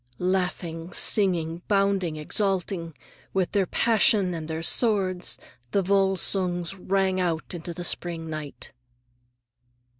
_" Laughing, singing, bounding, exulting,—with their passion and their sword,—the Volsungs ran out into the spring night.